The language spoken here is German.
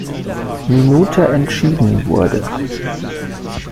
Minute entschieden wurde.